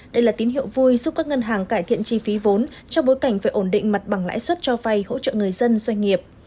đây là tín hiệu vui giúp các ngân hàng cải thiện chi phí vốn trong bối cảnh phải ổn định mặt bằng lãi suất cho vay hỗ trợ người dân doanh nghiệp